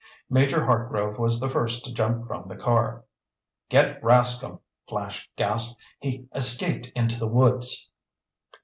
Major Hartgrove was the first to jump from the car. "Get Rascomb!" Flash gasped. "He escaped into the woods!"